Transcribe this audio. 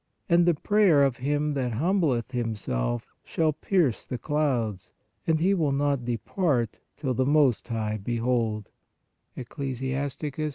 and "the prayer of him that humbleth himself shall pierce the clouds ... and he will not depart till the Most High behold" (Eccli. 35.